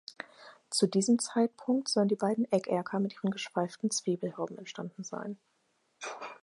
Zu diesem Zeitpunkt sollen die beiden Eckerker mit ihren geschweiften Zwiebelhauben entstanden sein.